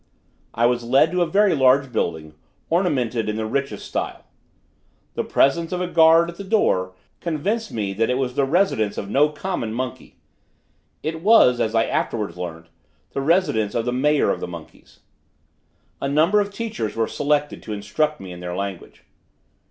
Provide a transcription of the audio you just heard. I was led to a very large building, ornamented in the richest style. The presence of a guard at the door convinced me that it was the residence of no common monkey. It was, as I afterwards learnt, the residence of the mayor of the monkeys. A number of teachers were selected to instruct me in their language.